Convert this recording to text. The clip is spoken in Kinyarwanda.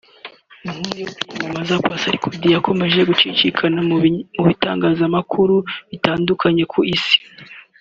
Inkuru yo kwiyamamaza kwa Sarkozy yakomeje gucicikana mu bitangazamakuru bitandukanye ku Isi